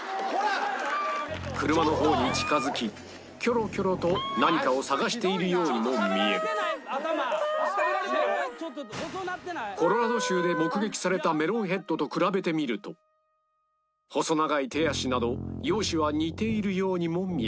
車の方に近付きキョロキョロと何かを探しているようにも見える「ああーおかしい」コロラド州で目撃されたメロンヘッドと比べてみると細長い手足など容姿は似ているようにも見える